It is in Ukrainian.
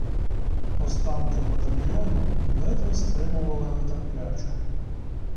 Останки батальйону ледве стримували нетерплячку.